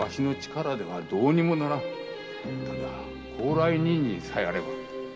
ただ高麗人参さえあれば。